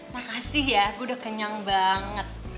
makasih ya gue udah kenyang banget